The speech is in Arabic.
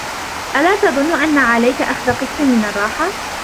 ألا تظنّ أنّ عليك أخذ قسطٍ من الراحة؟